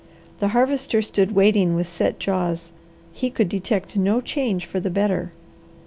The Harvester stood waiting with set jaws. He could detect no change for the better.